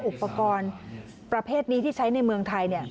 อุปกรณ์ประเภทนี้ที่ใช้ในเมืองไทย